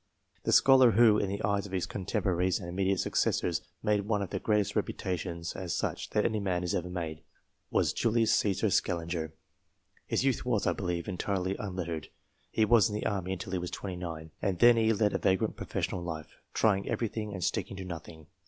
The scholar who, in the eyes of his contemporaries and immediate successors, made one of the greatest reputations, as such, that any man has ever made, was Julius Caesar Scaliger. His youth was, I be lieve, entirely unlettered. He was in the army until he was twenty nine, and then he led a vagrant professional life, trying everything and sticking to nothing.